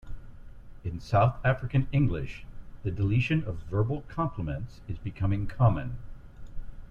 In South African English, the deletion of verbal complements is becoming common.